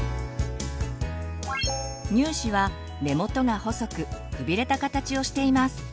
乳歯は根元が細くくびれた形をしています。